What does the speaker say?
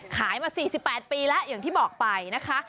ขายมา๔๘ปีแล้วอย่างที่บอกไปนะคะ